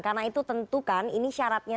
karena itu tentukan ini syaratnya